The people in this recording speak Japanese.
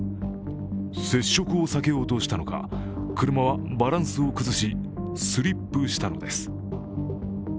接触を避けようとしたのか、車はバランスを崩しスリップしたのです。